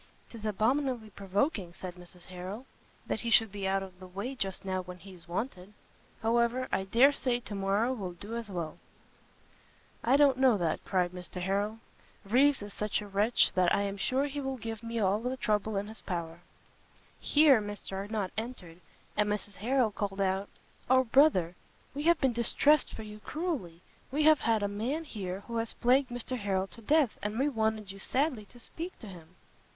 "'Tis abominably provoking," said Mrs Harrel, "that he should be out of the way just now when he is wanted. However, I dare say to morrow will do as well." "I don't know that," cried Mr Harrel. "Reeves is such a wretch that I am sure he will give me all the trouble in his power." Here Mr Arnott entered; and Mrs Harrel called out "O brother, we have been distressed for you cruelly; we have had a man here who has plagued Mr Harrel to death, and we wanted you sadly to speak to him."